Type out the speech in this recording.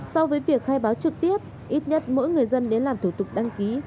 so với việc khai báo trực tiếp ít nhất mỗi người dân đến làm thủ tục đăng ký